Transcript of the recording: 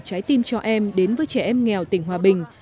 trái tim cho em đến với trẻ em nghèo tỉnh hòa bình